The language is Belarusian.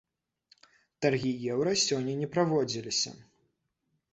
Таргі еўра сёння не праводзіліся.